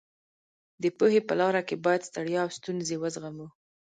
د پوهې په لاره کې باید ستړیا او ستونزې وزغمو.